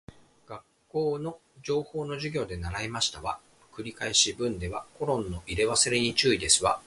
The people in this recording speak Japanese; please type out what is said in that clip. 学校の情報の授業で習いましたわ。繰り返し文ではコロンの入れ忘れに注意ですわ